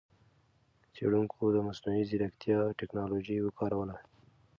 څېړونکو د مصنوعي ځېرکتیا ټکنالوجۍ وکاروله.